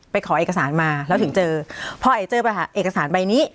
ขอเอกสารมาแล้วถึงเจอพอเอ๋เจอเอกสารใบนี้